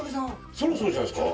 そろそろじゃないですか？